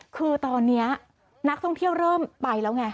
คือตอนนี้นักท่องเที่ยวเริ่มไปแล้วไง